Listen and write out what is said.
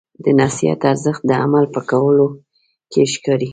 د نصیحت ارزښت د عمل په کولو کې ښکاري.